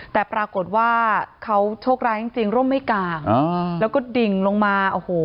แต่ปรากฏว่าเขาโชคร้ายจริงจริงร่มไม่กลางแล้วก็ดิ่งลงมาโอ้โห